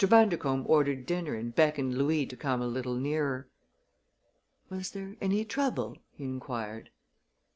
Bundercombe ordered dinner and beckoned Louis to come a little nearer. "Was there any trouble?" he inquired.